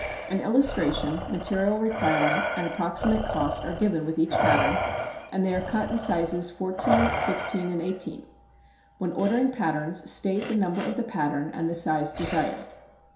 An illustration, material requirement, and approximate cost are given with each pattern, and they are cut in sizes 14, 16, and 18. When ordering patterns state the number of the pattern and the size desired.